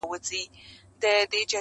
• تاريخ بيا بيا هماغه وايي تل,